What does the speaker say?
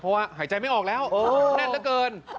เพราะว่าหายใจไม่ออกแล้วแน่นเหลือเกิน